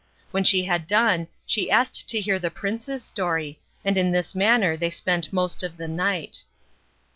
When she had done she asked to hear the prince's story, and in this manner they spent most of the night.